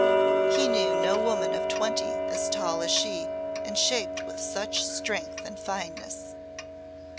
He knew no woman of twenty as tall as she and shaped with such strength and fineness.